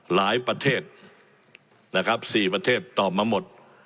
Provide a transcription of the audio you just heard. หลายประเทศนะครับ๔ประเทศตอบมาหมด